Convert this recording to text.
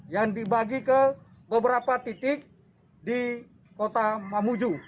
yang dibagi ke beberapa titik di kota mamuju